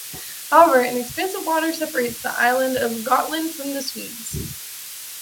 However, an expanse of water separates the island of Gotland from the Swedes.